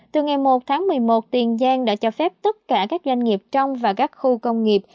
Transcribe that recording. từ ngày một tháng một mươi một tiền giang đã cho phép tất cả các doanh nghiệp trong và các khu công nghiệp